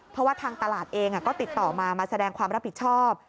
เพราะว่าทางตลาดเองก็ติดต่อมามาแสดงความรับผิดชอบ